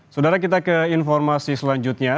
saudara kita ke informasi selanjutnya